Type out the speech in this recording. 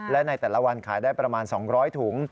และในแต่ละวันขายได้ประมาณ๒๐๐ถุง